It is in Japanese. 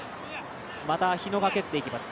また日野が蹴っていきます。